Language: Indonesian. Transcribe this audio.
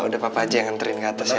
udah papa aja yang nganterin ke atas ya